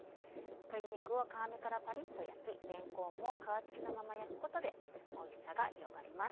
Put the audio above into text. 鶏肉を皮目からパリっと焼きれんこんも皮付きのまま焼くことでおいしさが広がります。